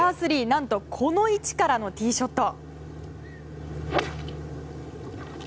何とこの位置からのティーショット。